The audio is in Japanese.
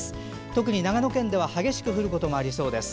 特に長野県では激しく降るところもありそうです。